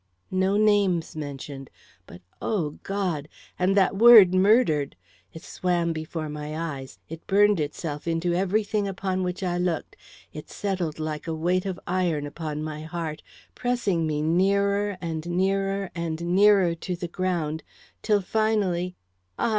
No names mentioned; but O God! And that word murdered. It swam before my eyes; it burned itself into every thing upon which I looked, it settled like a weight of iron upon my heart, pressing me nearer and nearer and nearer to the ground, till finally Ah!